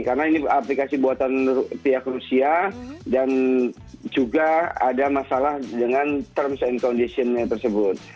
karena ini aplikasi buatan pihak rusia dan juga ada masalah dengan terms and conditionnya tersebut